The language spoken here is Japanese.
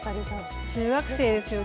中学生ですよね。